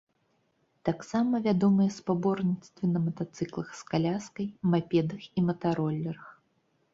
Таксама вядомыя спаборніцтвы на матацыклах з каляскай, мапедах і матаролерах.